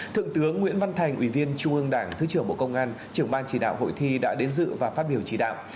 thượng tướng nguyễn văn thành ủy viên trung ương đảng thứ trưởng bộ công an trưởng ban chỉ đạo hội thi đã đến dự và phát biểu chỉ đạo